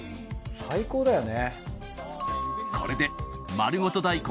最高だよね。